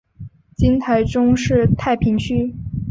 今台中市太平区。